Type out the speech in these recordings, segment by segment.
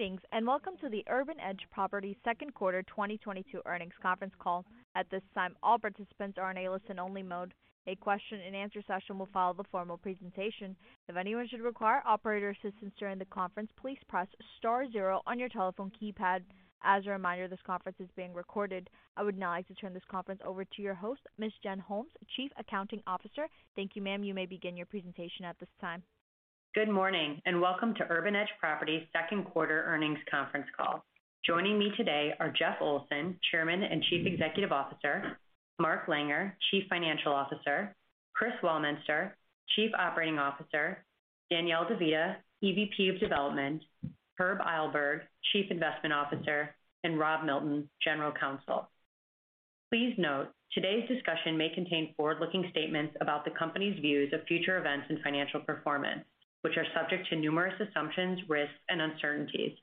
Greetings, and welcome to the Urban Edge Properties second quarter 2022 earnings conference call. At this time, all participants are in a listen-only mode. A question-and-answer session will follow the formal presentation. If anyone should require operator assistance during the conference, please press star zero on your telephone keypad. As a reminder, this conference is being recorded. I would now like to turn this conference over to your host, Ms. Jen Holmes, Chief Accounting Officer. Thank you, ma'am. You may begin your presentation at this time. Good morning, welcome to Urban Edge Properties second quarter earnings conference call. Joining me today are Jeff Olson, Chairman and Chief Executive Officer, Mark Langer, Chief Financial Officer, Chris Weilminster, Chief Operating Officer, Danielle De Vita, EVP of Development, Herb Eilberg, Chief Investment Officer, and Rob Milton, General Counsel. Please note, today's discussion may contain forward-looking statements about the company's views of future events and financial performance, which are subject to numerous assumptions, risks, and uncertainties,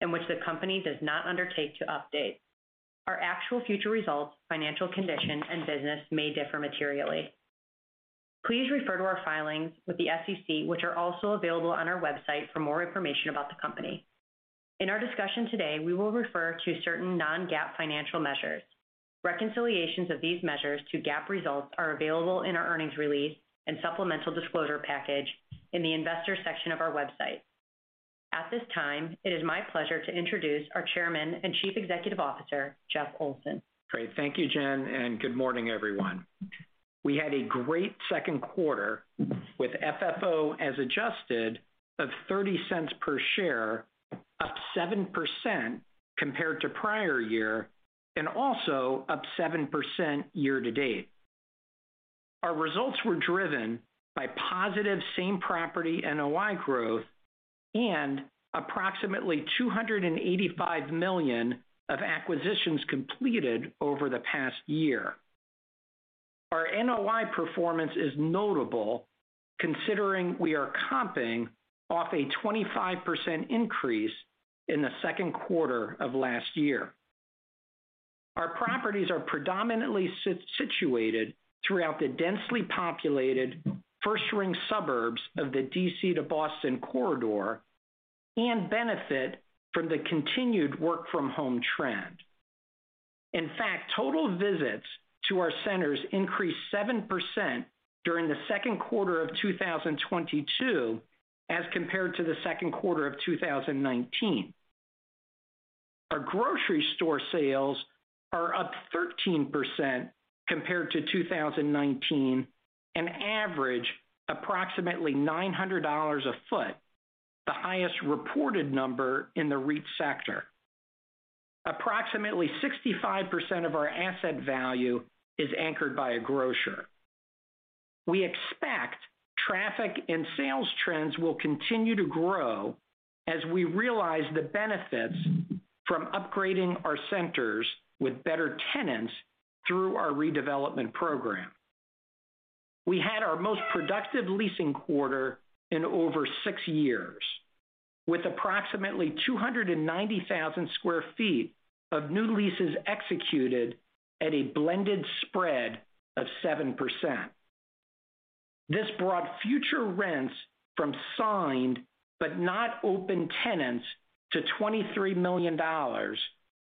and which the company does not undertake to update. Our actual future results, financial condition, and business may differ materially. Please refer to our filings with the SEC, which are also available on our website for more information about the company. In our discussion today, we will refer to certain non-GAAP financial measures. Reconciliations of these measures to GAAP results are available in our earnings release and supplemental disclosure package in the Investors section of our website. At this time, it is my pleasure to introduce our Chairman and Chief Executive Officer, Jeff Olson. Great. Thank you, Jen, and good morning, everyone. We had a great second quarter with FFO, as adjusted of $0.30 per share, up 7% compared to prior year, and also up 7% year-to-date. Our results were driven by positive same property NOI growth and approximately $285 million of acquisitions completed over the past year. Our NOI performance is notable considering we are comping off a 25% increase in the second quarter of last year. Our properties are predominantly situated throughout the densely populated first ring suburbs of the D.C. to Boston corridor and benefit from the continued work from home trend. In fact, total visits to our centers increased 7% during the second quarter of 2022 as compared to the second quarter of 2019. Our grocery store sales are up 13% compared to 2019, and average approximately $900 a foot, the highest reported number in the REIT sector. Approximately 65% of our asset value is anchored by a grocer. We expect traffic and sales trends will continue to grow as we realize the benefits from upgrading our centers with better tenants through our redevelopment program. We had our most productive leasing quarter in over six years, with approximately 290,000 sq ft of new leases executed at a blended spread of 7%. This brought future rents from signed but not open tenants to $23 million,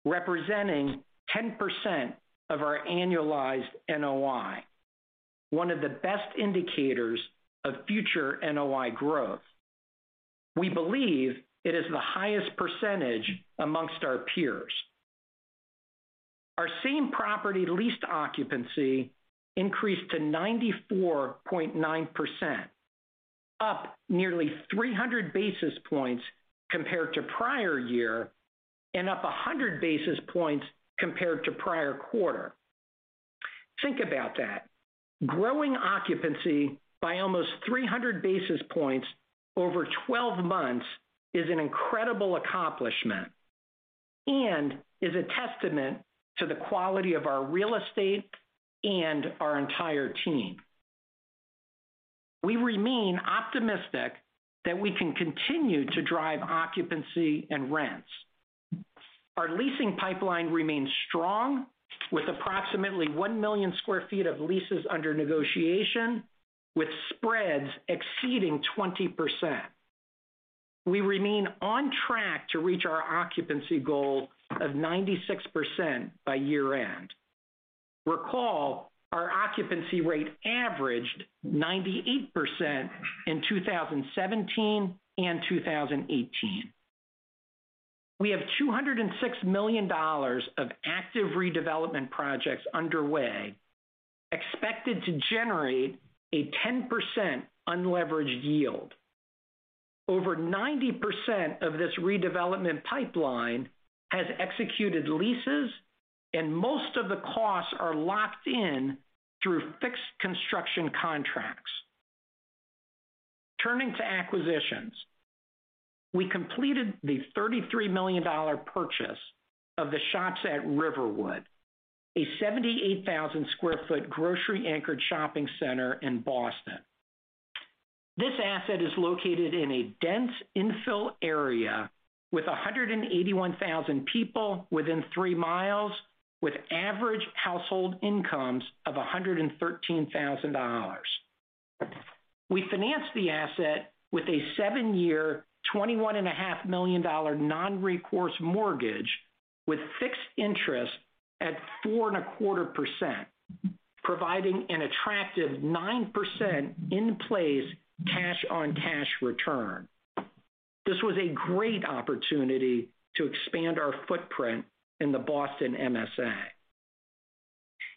representing 10% of our annualized NOI, one of the best indicators of future NOI growth. We believe it is the highest percentage amongst our peers. Our same property leased occupancy increased to 94.9%, up nearly 300 basis points compared to prior year, and up 100 basis points compared to prior quarter. Think about that. Growing occupancy by almost 300 basis points over 12 months is an incredible accomplishment, and is a testament to the quality of our real estate and our entire team. We remain optimistic that we can continue to drive occupancy and rents. Our leasing pipeline remains strong with approximately 1 million sq ft of leases under negotiation with spreads exceeding 20%. We remain on track to reach our occupancy goal of 96% by year-end. Recall, our occupancy rate averaged 98% in 2017 and 2018. We have $206 million of active redevelopment projects underway, expected to generate a 10% unleveraged yield. Over 90% of this redevelopment pipeline has executed leases, and most of the costs are locked in through fixed construction contracts. Turning to acquisitions, we completed the $33 million purchase of The Shops at Riverwood, a 78,000 sq ft grocery-anchored shopping center in Boston. This asset is located in a dense infill area with 181,000 people within 3 miles, with average household incomes of $113,000. We financed the asset with a seven year, $21.5 million non-recourse mortgage with fixed interest at 4.25%, providing an attractive 9% in-place cash-on-cash return. This was a great opportunity to expand our footprint in the Boston MSA.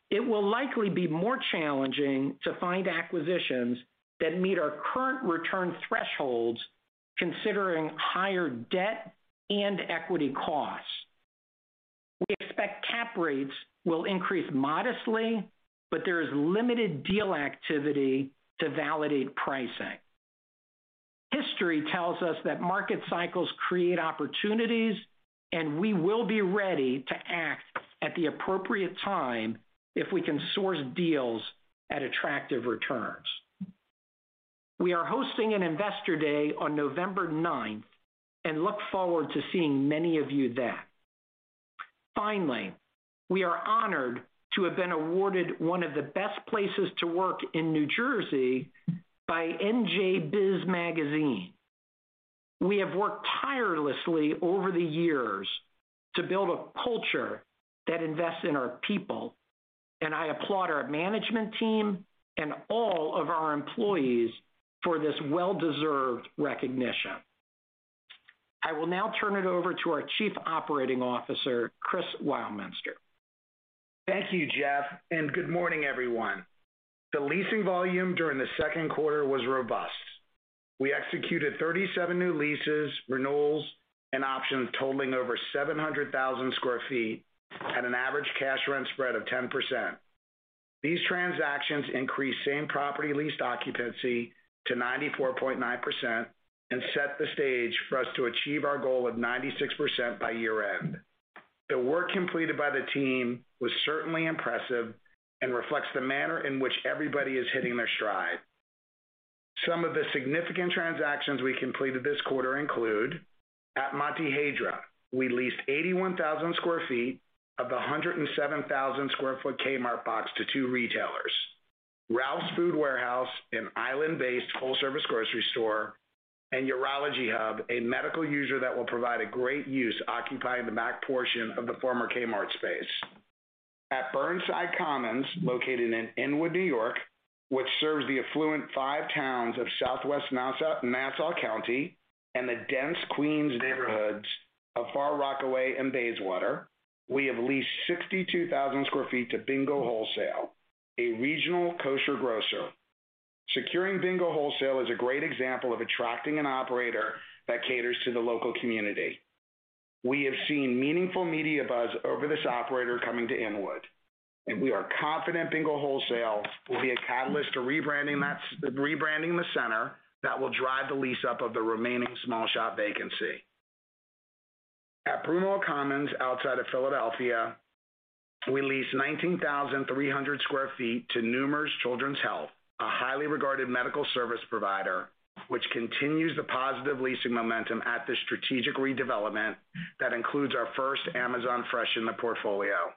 It will likely be more challenging to find acquisitions that meet our current return thresholds considering higher debt and equity costs. We expect cap rates will increase modestly, but there is limited deal activity to validate pricing. History tells us that market cycles create opportunities, and we will be ready to act at the appropriate time if we can source deals at attractive returns. We are hosting an investor day on November 9 and look forward to seeing many of you there. Finally, we are honored to have been awarded one of the best places to work in New Jersey by NJBIZ Magazine. We have worked tirelessly over the years to build a culture that invests in our people, and I applaud our management team and all of our employees for this well-deserved recognition. I will now turn it over to our Chief Operating Officer, Chris Weilminster. Thank you, Jeff, and good morning, everyone. The leasing volume during the second quarter was robust. We executed 37 new leases, renewals and options totaling over 700,000 sq ft at an average cash rent spread of 10%. These transactions increased same-property leased occupancy to 94.9% and set the stage for us to achieve our goal of 96% by year-end. The work completed by the team was certainly impressive and reflects the manner in which everybody is hitting their stride. Some of the significant transactions we completed this quarter include at Montehiedra, we leased 81,000 sq ft of the 107,000 sq ft Kmart box to two retailers. Ralph's Food Warehouse, an island-based full-service grocery store, and Urology Hub, a medical user that will provide a great use occupying the back portion of the former Kmart space. At Burnside Commons, located in Inwood, New York, which serves the affluent five towns of Southwest Nassau County and the dense Queens neighborhoods of Far Rockaway and Bayswater, we have leased 62,000 sq ft to Bingo Wholesale, a regional kosher grocer. Securing Bingo Wholesale is a great example of attracting an operator that caters to the local community. We have seen meaningful media buzz over this operator coming to Inwood, and we are confident Bingo Wholesale will be a catalyst to rebranding the center that will drive the lease up of the remaining small shop vacancy. At Broomall Commons outside of Philadelphia, we leased 19,300 sq ft to Nemours Children's Health, a highly regarded medical service provider, which continues the positive leasing momentum at the strategic redevelopment that includes our first Amazon Fresh in the portfolio.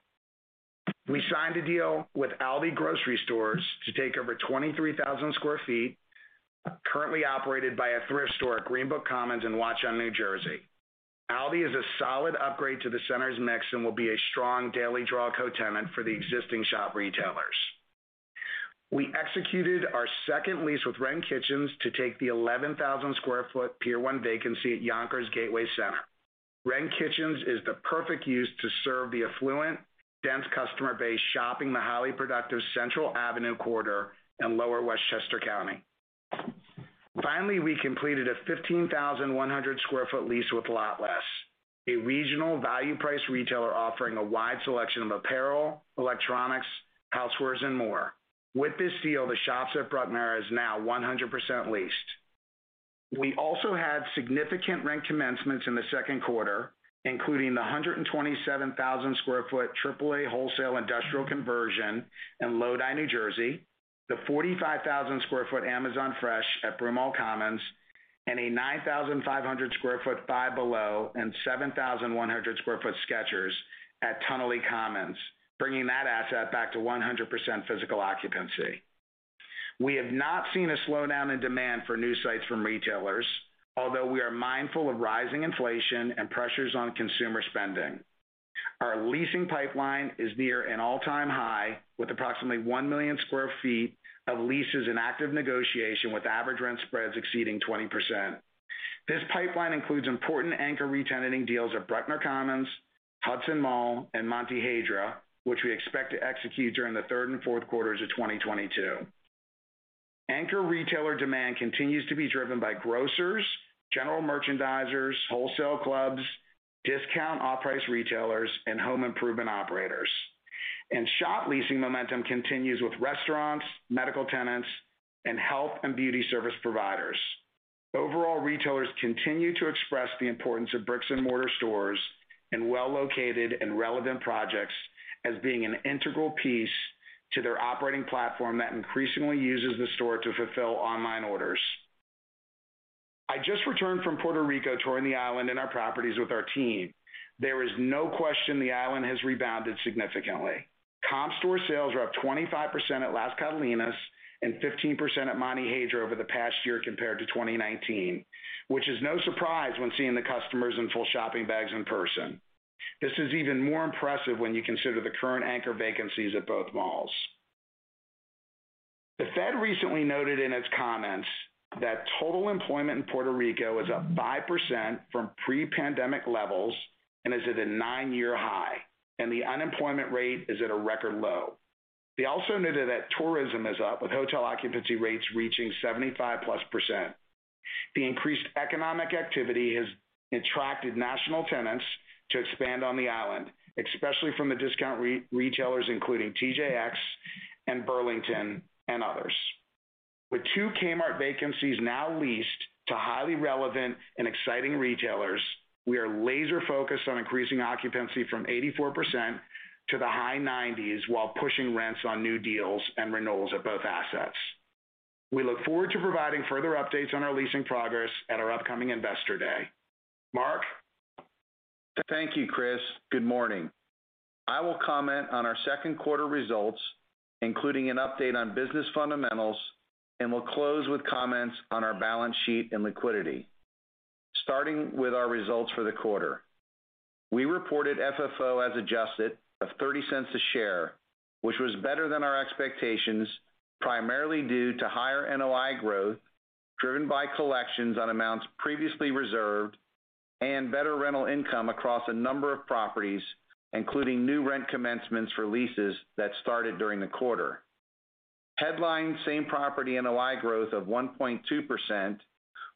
We signed a deal with Aldi Grocery Stores to take over 23,000 sq ft currently operated by a thrift store at Greenbrook Commons in Watchung, New Jersey. Aldi is a solid upgrade to the center's mix and will be a strong daily draw co-tenant for the existing shop retailers. We executed our second lease with REEF Kitchens to take the 11,000-sq-ft Pier 1 vacancy at Yonkers Gateway Center. REEF Kitchens is the perfect use to serve the affluent, dense customer base, shopping the highly productive Central Avenue corridor in Lower Westchester County. Finally, we completed a 15,100 sq ft lease with Lot-Less, a regional value price retailer offering a wide selection of apparel, electronics, housewares and more. With this deal, The Shops at Bruckner is now 100% leased. We also had significant rent commencements in the second quarter, including the 127,000 sq ft AAA Wholesale industrial conversion in Lodi, New Jersey, the 45,000 sq ft Amazon Fresh at Broomall Commons, and a 9,500 sq ft Five Below and 7,100 sq ft Skechers at Tonnelle Commons, bringing that asset back to 100% physical occupancy. We have not seen a slowdown in demand for new sites from retailers, although we are mindful of rising inflation and pressures on consumer spending. Our leasing pipeline is near an all-time high, with approximately 1 million sq ft of leases in active negotiation with average rent spreads exceeding 20%. This pipeline includes important anchor retenanting deals at Bruckner Commons, Hudson Mall, and Montehiedra, which we expect to execute during the third and fourth quarters of 2022. Anchor retailer demand continues to be driven by grocers, general merchandisers, wholesale clubs, discount off-price retailers and home improvement operators. Shop leasing momentum continues with restaurants, medical tenants and health and beauty service providers. Overall, retailers continue to express the importance of bricks and mortar stores and well-located and relevant projects as being an integral piece to their operating platform that increasingly uses the store to fulfill online orders. Just returned from Puerto Rico touring the island and our properties with our team. There is no question the island has rebounded significantly. Comp store sales are up 25% at Las Catalinas and 15% at Montehiedra over the past year compared to 2019, which is no surprise when seeing the customers and full shopping bags in person. This is even more impressive when you consider the current anchor vacancies at both malls. The Fed recently noted in its comments that total employment in Puerto Rico is up 5% from pre-pandemic levels and is at a nine-year high, and the unemployment rate is at a record low. They also noted that tourism is up, with hotel occupancy rates reaching 75%+. The increased economic activity has attracted national tenants to expand on the island, especially from the discount retailers, including TJX and Burlington and others. With two Kmart vacancies now leased to highly relevant and exciting retailers, we are laser-focused on increasing occupancy from 84% to the high 90s while pushing rents on new deals and renewals at both assets. We look forward to providing further updates on our leasing progress at our upcoming Investor Day. Mark. Thank you, Chris. Good morning. I will comment on our second quarter results, including an update on business fundamentals, and we'll close with comments on our balance sheet and liquidity. Starting with our results for the quarter. We reported FFO as adjusted of $0.30 a share, which was better than our expectations, primarily due to higher NOI growth driven by collections on amounts previously reserved and better rental income across a number of properties, including new rent commencements for leases that started during the quarter. Headline same property NOI growth of 1.2%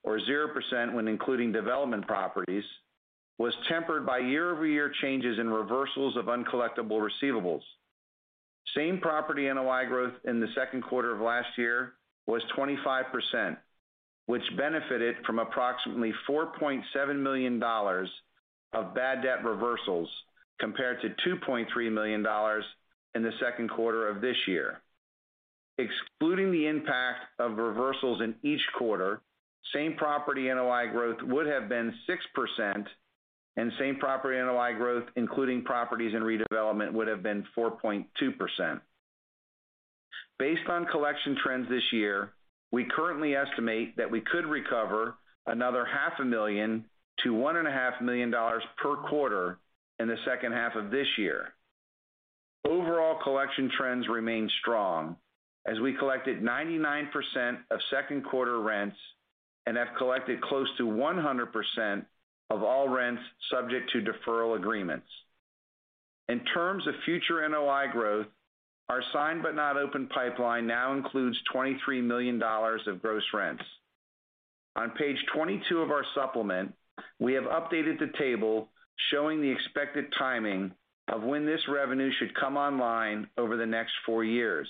or 0% when including development properties was tempered by year-over-year changes in reversals of uncollectible receivables. Same-property NOI growth in the second quarter of last year was 25%, which benefited from approximately $4.7 million of bad debt reversals compared to $2.3 million in the second quarter of this year. Excluding the impact of reversals in each quarter, same-property NOI growth would have been 6%, and same-property NOI growth, including properties and redevelopment, would have been 4.2%. Based on collection trends this year, we currently estimate that we could recover another $0.5 million-$1.5 million per quarter in the second half of this year. Overall collection trends remain strong as we collected 99% of second quarter rents and have collected close to 100% of all rents subject to deferral agreements. In terms of future NOI growth, our signed but not open pipeline now includes $23 million of gross rents. On page 22 of our supplement, we have updated the table showing the expected timing of when this revenue should come online over the next four years.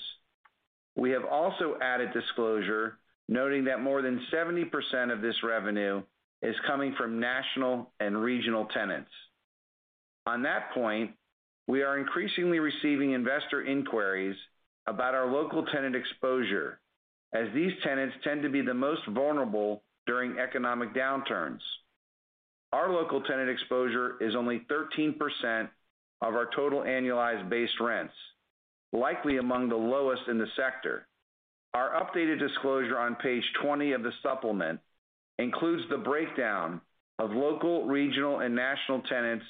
We have also added disclosure noting that more than 70% of this revenue is coming from national and regional tenants. On that point, we are increasingly receiving investor inquiries about our local tenant exposure as these tenants tend to be the most vulnerable during economic downturns. Our local tenant exposure is only 13% of our total annualized base rents, likely among the lowest in the sector. Our updated disclosure on page 20 of the supplement includes the breakdown of local, regional, and national tenants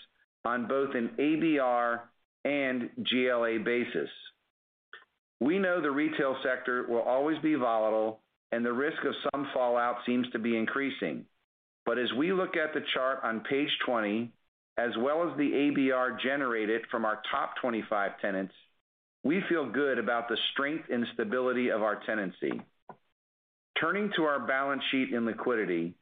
on both an ABR and GLA basis. We know the retail sector will always be volatile and the risk of some fallout seems to be increasing. As we look at the chart on page 20, as well as the ABR generated from our top 25 tenants, we feel good about the strength and stability of our tenancy. Turning to our balance sheet and liquidity,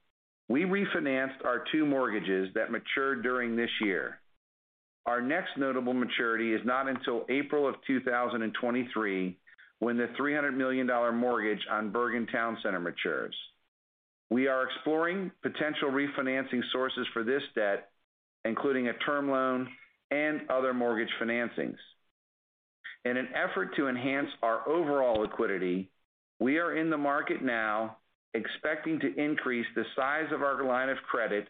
we refinanced our two mortgages that matured during this year. Our next notable maturity is not until April of 2023, when the $300 million mortgage on Bergen Town Center matures. We are exploring potential refinancing sources for this debt, including a term loan and other mortgage financings. In an effort to enhance our overall liquidity, we are in the market now expecting to increase the size of our line of credit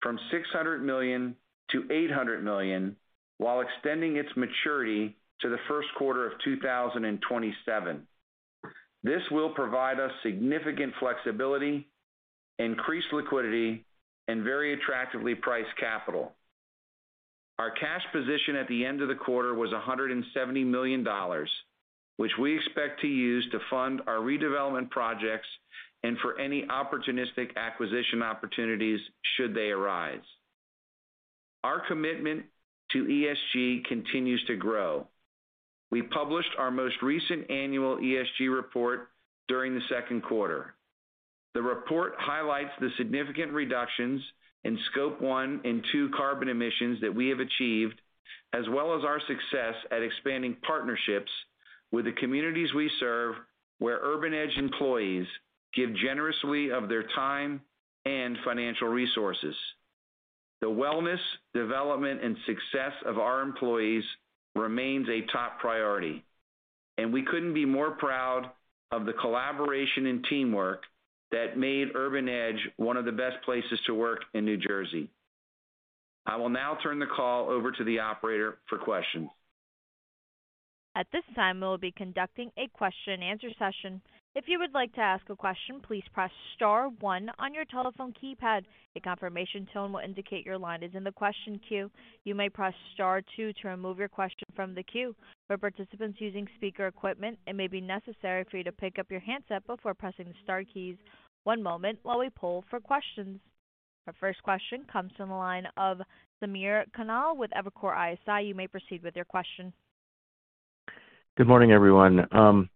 from $600 million-$800 million while extending its maturity to the first quarter of 2027. This will provide us significant flexibility, increased liquidity, and very attractively priced capital. Our cash position at the end of the quarter was $170 million, which we expect to use to fund our redevelopment projects and for any opportunistic acquisition opportunities should they arise. Our commitment to ESG continues to grow. We published our most recent annual ESG report during the second quarter. The report highlights the significant reductions in scope one and two carbon emissions that we have achieved, as well as our success at expanding partnerships with the communities we serve, where Urban Edge employees give generously of their time and financial resources. The wellness, development, and success of our employees remains a top priority, and we couldn't be more proud of the collaboration and teamwork that made Urban Edge one of the best places to work in New Jersey. I will now turn the call over to the operator for questions. At this time, we will be conducting a question and answer session. If you would like to ask a question, please press star one on your telephone keypad. A confirmation tone will indicate your line is in the question queue. You may press star two to remove your question from the queue. For participants using speaker equipment, it may be necessary for you to pick up your handset before pressing the star keys. One moment while we poll for questions. Our first question comes from the line of Samir Khanal with Evercore ISI. You may proceed with your question. Good morning, everyone.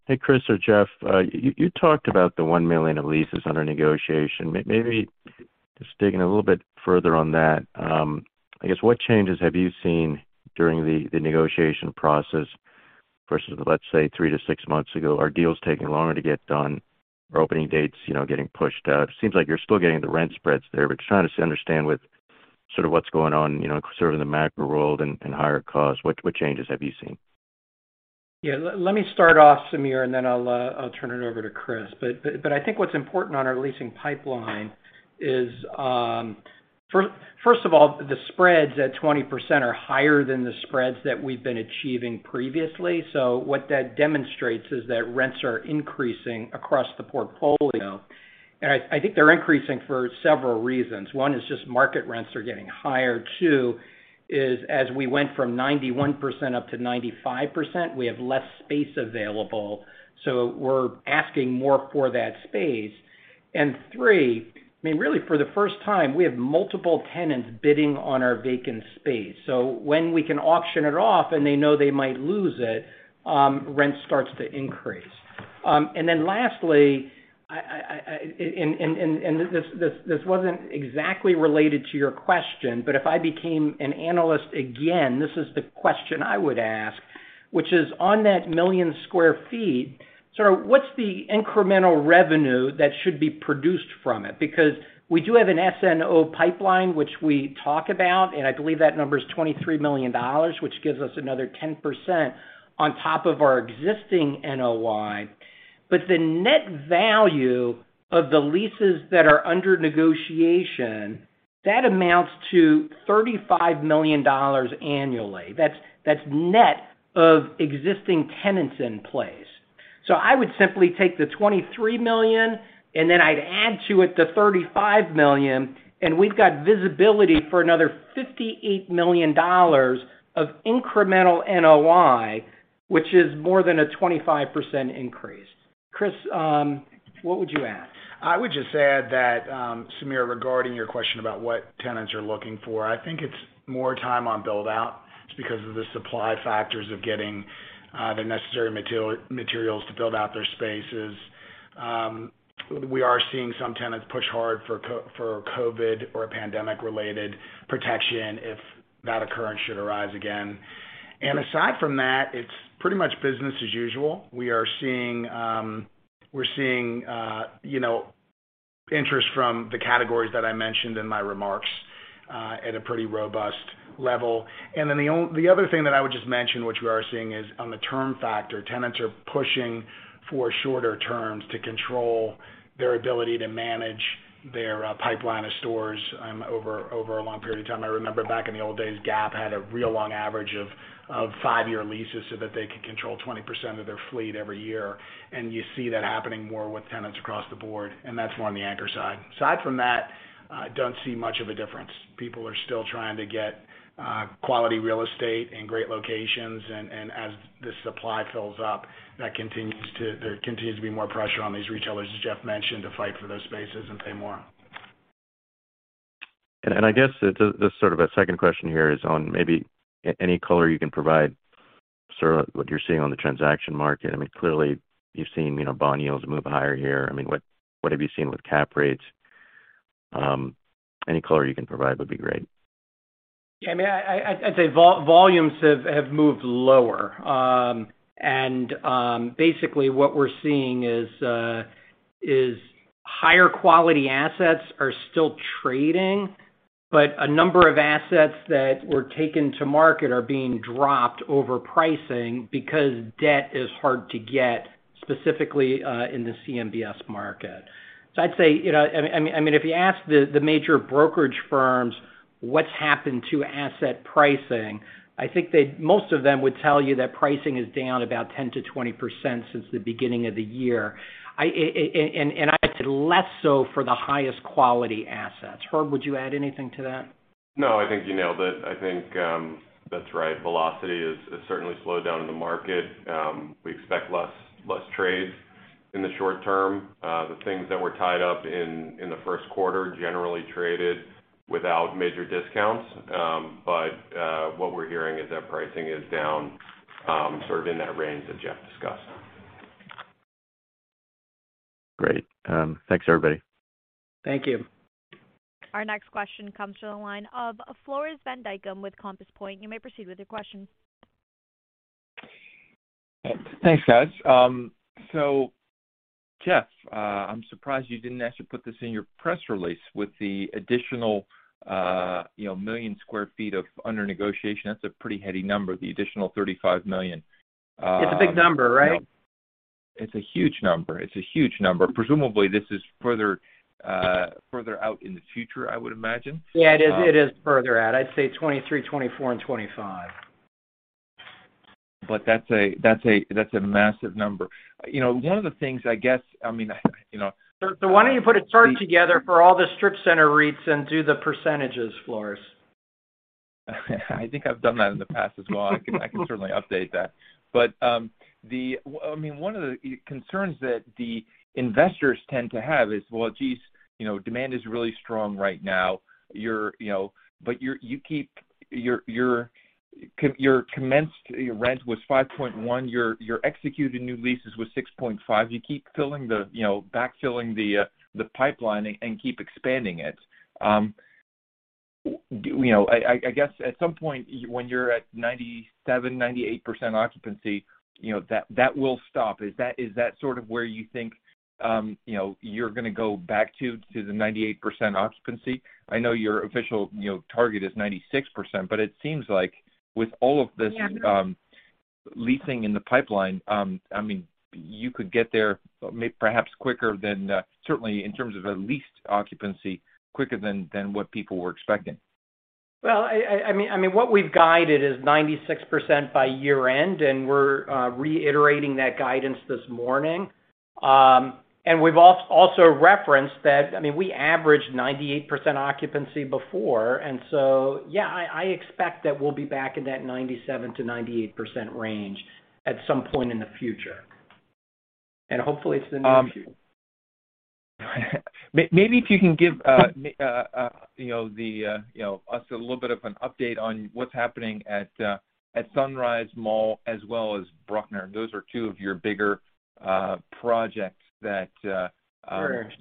Hey, Chris or Jeff. You talked about the 1 million of leases under negotiation. Maybe just digging a little bit further on that, I guess what changes have you seen during the negotiation process versus, let's say, three to six months ago? Are deals taking longer to get done? Are opening dates, you know, getting pushed out? It seems like you're still getting the rent spreads there, but trying to understand with sort of what's going on, you know, sort of in the macro world and higher costs, what changes have you seen? Yeah, let me start off, Samir, and then I'll turn it over to Chris. I think what's important on our leasing pipeline is first of all, the spreads at 20% are higher than the spreads that we've been achieving previously. What that demonstrates is that rents are increasing across the portfolio. I think they're increasing for several reasons. One is just market rents are getting higher. Two is as we went from 91% up to 95%, we have less space available, so we're asking more for that space. Three, I mean, really, for the first time, we have multiple tenants bidding on our vacant space. When we can auction it off and they know they might lose it, rent starts to increase. Lastly, this wasn't exactly related to your question, but if I became an analyst again, this is the question I would ask, which is on that 1 million sq ft, sort of what's the incremental revenue that should be produced from it? Because we do have an SNO pipeline, which we talk about, and I believe that number is $23 million, which gives us another 10% on top of our existing NOI. But the net value of the leases that are under negotiation, that amounts to $35 million annually. That's net of existing tenants in place. I would simply take the $23 million, and then I'd add to it the $35 million, and we've got visibility for another $58 million of incremental NOI, which is more than a 25% increase. Chris, what would you add? I would just add that, Samir, regarding your question about what tenants are looking for, I think it's more time on build out just because of the supply factors of getting the necessary materials to build out their spaces. We are seeing some tenants push hard for COVID or pandemic-related protection if that occurrence should arise again. Aside from that, it's pretty much business as usual. We are seeing you know, interest from the categories that I mentioned in my remarks at a pretty robust level. Then the other thing that I would just mention, which we are seeing, is on the term factor, tenants are pushing for shorter terms to control their ability to manage their pipeline of stores over a long period of time. I remember back in the old days, Gap had a real long average of five year leases so that they could control 20% of their fleet every year. You see that happening more with tenants across the board, and that's more on the anchor side. Aside from that, I don't see much of a difference. People are still trying to get quality real estate in great locations. As the supply fills up, there continues to be more pressure on these retailers, as Jeff mentioned, to fight for those spaces and pay more. I guess the sort of a second question here is on maybe any color you can provide, sort of what you're seeing on the transaction market. I mean, clearly you've seen, you know, bond yields move higher here. I mean, what have you seen with cap rates? Any color you can provide would be great. I mean, I'd say volumes have moved lower. Basically what we're seeing is higher quality assets are still trading, but a number of assets that were taken to market are being dropped over pricing because debt is hard to get, specifically in the CMBS market. I'd say, you know, I mean, if you ask the major brokerage firms what's happened to asset pricing, I think most of them would tell you that pricing is down about 10%-20% since the beginning of the year. I'd say less so for the highest quality assets. Herb, would you add anything to that? No, I think you nailed it. I think, that's right. Velocity has certainly slowed down in the market. We expect less trades in the short term. The things that were tied up in the first quarter generally traded without major discounts. What we're hearing is that pricing is down, sort of in that range that Jeff discussed. Great. Thanks, everybody. Thank you. Our next question comes from the line of Floris van Dijkum with Compass Point. You may proceed with your questions. Thanks, guys. Jeff, I'm surprised you didn't actually put this in your press release with the additional, you know, 1 million sq ft of under negotiation. That's a pretty heady number, the additional 35 million. It's a big number, right? It's a huge number. Presumably, this is further out in the future, I would imagine. Yeah, it is. It is further out. I'd say 2023, 2024 and 2025. That's a massive number. You know, one of the things I guess. I mean, you know. Why don't you put a chart together for all the strip center REITs and do the percentages, Floris. I think I've done that in the past as well. I can certainly update that. I mean, one of the concerns that the investors tend to have is, well, geez, you know, demand is really strong right now. You know, you're commenced rent was $5.1. Your executed new leases was $6.5. You keep filling, you know, backfilling the pipeline and keep expanding it. You know, I guess at some point when you're at 97%-98% occupancy, you know, that will stop. Is that sort of where you think, you know, you're gonna go back to the 98% occupancy? I know your official, you know, target is 96%, but it seems like with all of this. Yeah leasing in the pipeline, I mean, you could get there perhaps quicker than, certainly in terms of the leased occupancy, quicker than what people were expecting. Well, I mean, what we've guided is 96% by year-end, and we're reiterating that guidance this morning. We've also referenced that, I mean, we averaged 98% occupancy before, and so, yeah, I expect that we'll be back in that 97%-98% range at some point in the future. Hopefully it's the near future. Maybe if you can give, you know, the, you know, us a little bit of an update on what's happening at Sunrise Mall as well as Bruckner. Those are two of your bigger projects that Sure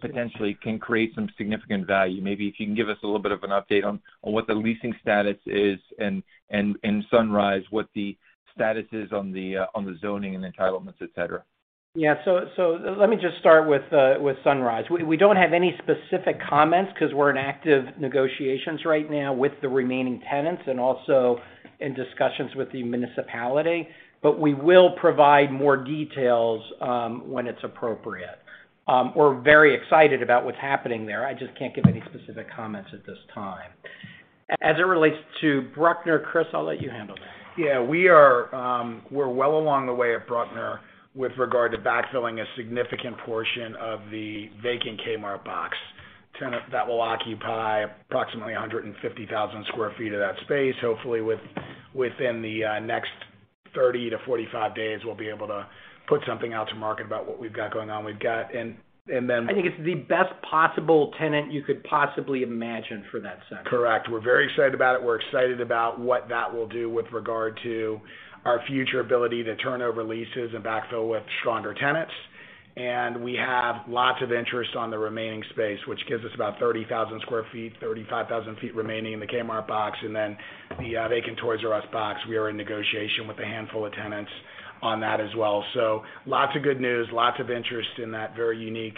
potentially can create some significant value. Maybe if you can give us a little bit of an update on what the leasing status is and in Sunrise, what the status is on the zoning and entitlements, etc. Let me just start with Sunrise. We don't have any specific comments 'cause we're in active negotiations right now with the remaining tenants and also in discussions with the municipality. We will provide more details when it's appropriate. We're very excited about what's happening there. I just can't give any specific comments at this time. As it relates to Bruckner, Chris, I'll let you handle that. Yeah. We're well along the way at Bruckner with regard to backfilling a significant portion of the vacant Kmart box. Tenant that will occupy approximately 150,000 sq ft of that space. Hopefully, within the next 30-45 days, we'll be able to put something out to market about what we've got going on. We've got I think it's the best possible tenant you could possibly imagine for that center. Correct. We're very excited about it. We're excited about what that will do with regard to our future ability to turn over leases and backfill with stronger tenants. We have lots of interest on the remaining space, which gives us about 30,000 sq ft, 35,000 sq ft remaining in the Kmart box, and then the vacant Toys R Us box, we are in negotiation with a handful of tenants on that as well. Lots of good news, lots of interest in that very unique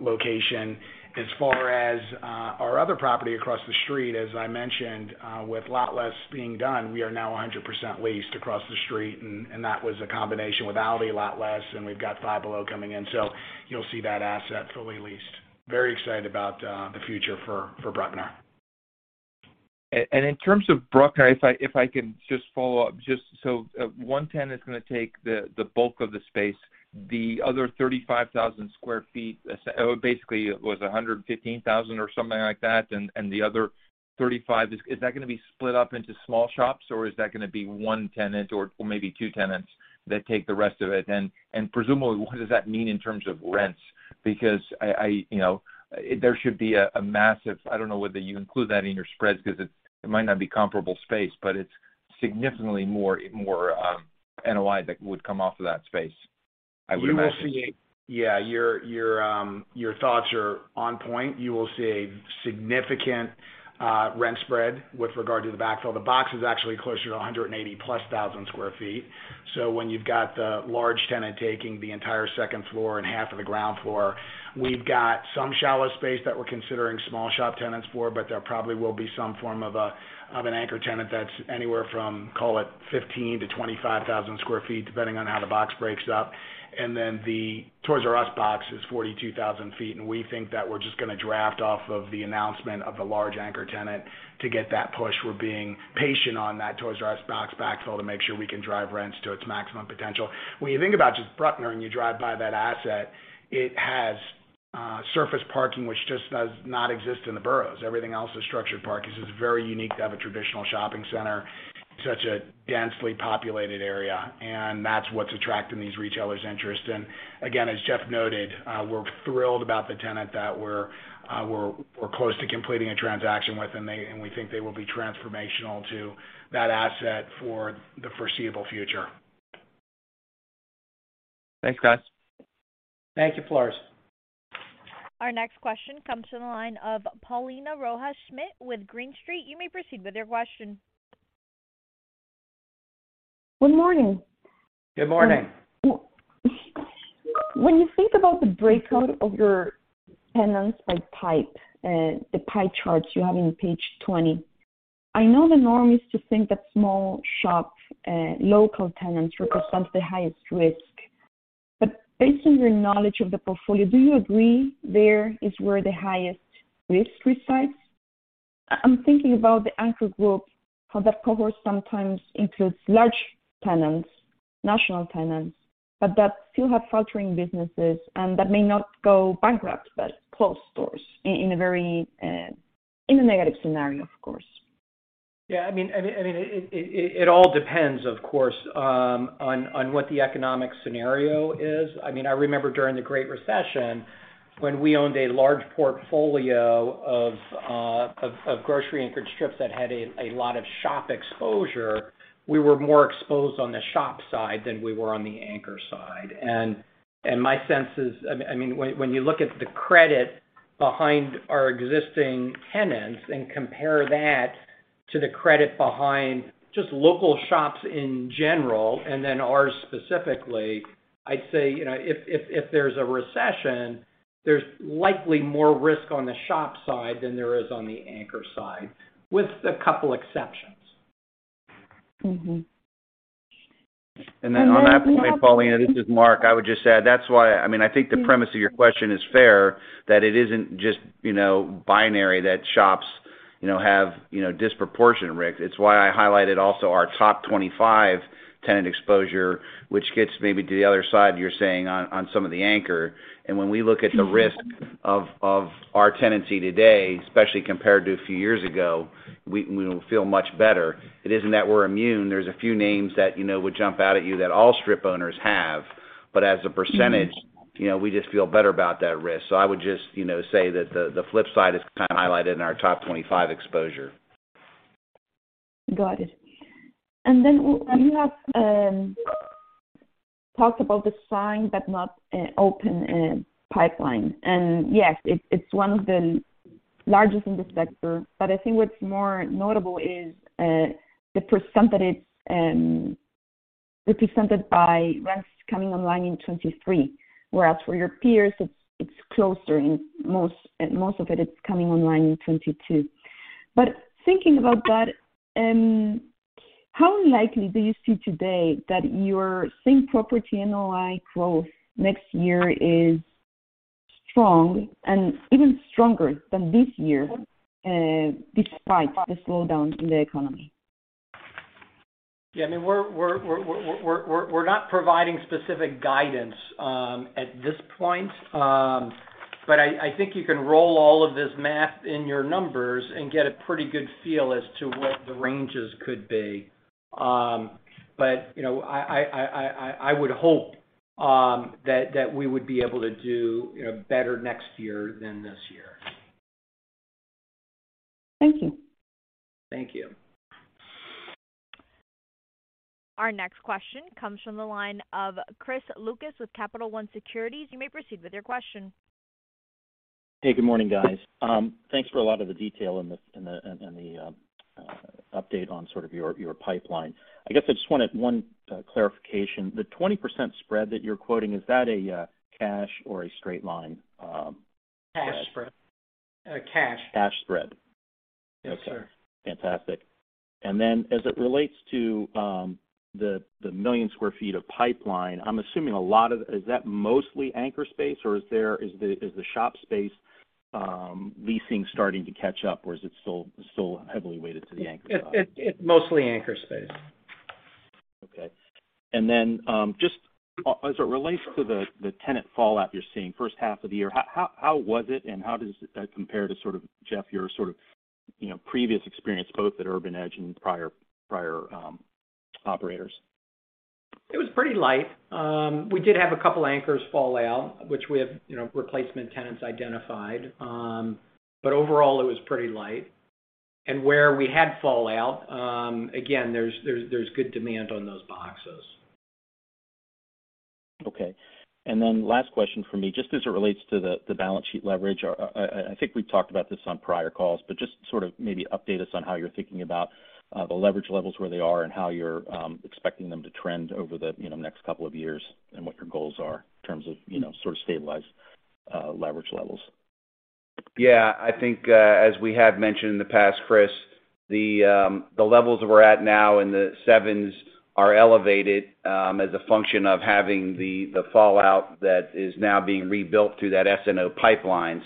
location. As far as our other property across the street, as I mentioned, with Lot-Less being done, we are now 100% leased across the street, and that was a combination with Aldi, Lot Less, and we've got Five Below coming in. You'll see that asset fully leased. Very excited about the future for Bruckner. In terms of Bruckner, if I can just follow up. Just so one tenant is gonna take the bulk of the space, the other 35,000 sq ft, or basically it was 115,000 or something like that and the other 35,000. Is that gonna be split up into small shops, or is that gonna be one tenant or maybe two tenants that take the rest of it? Presumably, what does that mean in terms of rents? Because you know, there should be a massive. I don't know whether you include that in your spreads 'cause it might not be comparable space, but it's significantly more NOI that would come off of that space, I would imagine. You will see. Yeah. Your thoughts are on point. You will see a significant rent spread with regard to the backfill. The box is actually closer to 180+ thousand sq ft. So when you've got the large tenant taking the entire second floor and half of the ground floor, we've got some shallow space that we're considering small shop tenants for, but there probably will be some form of an anchor tenant that's anywhere from, call it 15-25 thousand sq ft, depending on how the box breaks up. Then the Toys R Us box is 42,000 sq ft, and we think that we're just gonna draft off of the announcement of the large anchor tenant to get that push. We're being patient on that Toys R Us box backfill to make sure we can drive rents to its maximum potential. When you think about just Bruckner and you drive by that asset, it has surface parking, which just does not exist in the boroughs. Everything else is structured parking. It's very unique to have a traditional shopping center in such a densely populated area, and that's what's attracting these retailers' interest. Again, as Jeff noted, we're thrilled about the tenant that we're close to completing a transaction with, and we think they will be transformational to that asset for the foreseeable future. Thanks, guys. Thank you, Floris. Our next question comes from the line of Paulina Rojas Schmidt with Green Street. You may proceed with your question. Good morning. Good morning. When you think about the breakdown of your tenants by type, the pie charts you have on page 20, I know the norm is to think that small shop local tenants represent the highest risk. Based on your knowledge of the portfolio, do you agree there is where the highest risk resides? I'm thinking about the anchor group, how that cohort sometimes includes large tenants, national tenants, but that still have faltering businesses and that may not go bankrupt, but close doors in a very negative scenario, of course. Yeah, I mean, it all depends, of course, on what the economic scenario is. I mean, I remember during the Great Recession when we owned a large portfolio of grocery anchored strips that had a lot of shop exposure. We were more exposed on the shop side than we were on the anchor side. And my sense is, I mean, when you look at the credit behind our existing tenants and compare that to the credit behind just local shops in general and then ours specifically, I'd say, you know, if there's a recession, there's likely more risk on the shop side than there is on the anchor side, with a couple exceptions. Mm-hmm. On that point, Paulina, this is Mark. I would just add that's why, I mean, I think the premise of your question is fair, that it isn't just, you know, binary, that shops, you know, have, you know, disproportionate risk. It's why I highlighted also our top 25 tenant exposure, which gets maybe to the other side you're saying on some of the anchor. When we look at the risk of our tenancy today, especially compared to a few years ago, we feel much better. It isn't that we're immune. There's a few names that, you know, would jump out at you that all strip owners have. But as a percentage, you know, we just feel better about that risk. I would just, you know, say that the flip side is kind of highlighted in our top 25 exposure. Got it. You have talked about the signed but not open pipeline. Yes, it's one of the largest in this sector. I think what's more notable is the percent that it's represented by rents coming online in 2023. Whereas for your peers, it's closer, and most of it is coming online in 2022. Thinking about that, how likely do you see today that your same property NOI growth next year is strong and even stronger than this year, despite the slowdown in the economy? Yeah, I mean, we're not providing specific guidance at this point. I would hope that we would be able to do, you know, better next year than this year. Thank you. Thank you. Our next question comes from the line of Chris Lucas with Capital One Securities. You may proceed with your question. Hey, good morning, guys. Thanks for a lot of the detail in the update on sort of your pipeline. I guess I just wanted one clarification. The 20% spread that you're quoting, is that a cash or a straight line spread? Cash spread. Cash. Cash spread. Yes, sir. Fantastic. As it relates to the 1 million sq ft of pipeline, is that mostly anchor space or is the shop space leasing starting to catch up or is it still heavily weighted to the anchor side? It mostly anchor space. Okay. Just as it relates to the tenant fallout you're seeing first half of the year, how was it and how does that compare to sort of, Jeff, your sort of, you know, previous experience both at Urban Edge and prior operators? It was pretty light. We did have a couple anchors fall out, which we have, you know, replacement tenants identified. But overall it was pretty light. Where we had fallout, again, there's good demand on those boxes. Okay. Last question from me. Just as it relates to the balance sheet leverage, I think we've talked about this on prior calls, but just sort of maybe update us on how you're thinking about the leverage levels, where they are and how you're expecting them to trend over the you know next couple of years and what your goals are in terms of you know sort of stabilized leverage levels. Yeah, I think, as we have mentioned in the past, Chris, the levels that we're at now in the seven are elevated, as a function of having the fallout that is now being rebuilt through that SNO pipeline.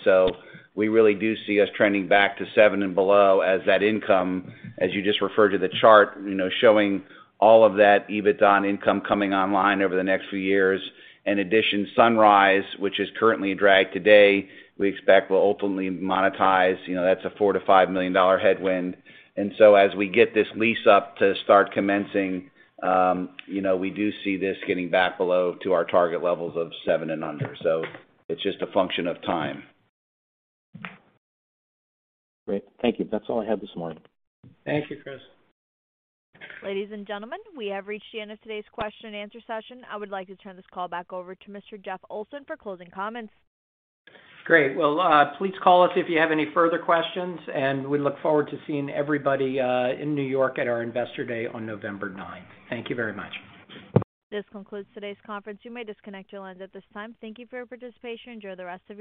We really do see us trending back to seven and below as that income, as you just referred to the chart, you know, showing all of that EBITDA and income coming online over the next few years. In addition, Sunrise, which is currently a drag today, we expect will ultimately monetize, you know, that's a $4 million-$5 million headwind. As we get this lease up to start commencing, you know, we do see this getting back below to our target levels of seven and under. It's just a function of time. Great. Thank you. That's all I had this morning. Thank you, Chris. Ladies and gentlemen, we have reached the end of today's question and answer session. I would like to turn this call back over to Mr. Jeff Olson for closing comments. Great. Well, please call us if you have any further questions, and we look forward to seeing everybody in New York at our Investor Day on November 9. Thank you very much. This concludes today's conference. You may disconnect your lines at this time. Thank you for your participation. Enjoy the rest of your day.